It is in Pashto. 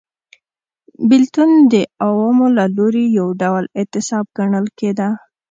بېلتون د عوامو له لوري یو ډول اعتصاب ګڼل کېده